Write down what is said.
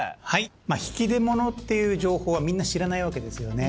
引き出物っていう情報はみんな知らないわけですよね。